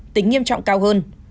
tính nghiêm trọng cao hơn